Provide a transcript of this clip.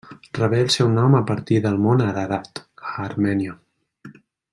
Rebé el seu nom a partir del Mont Ararat, a Armènia.